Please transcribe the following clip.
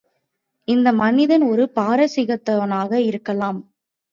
இந்த மனிதன் ஒரு பாரசீகத்தவனாக இருக்கலாம்.